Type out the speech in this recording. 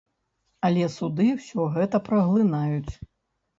Але суды ўсё гэта праглынаюць.